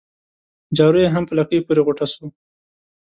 جارو يې هم په لکۍ پوري غوټه سو